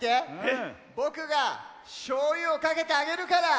ぼくがしょうゆをかけてあげるから！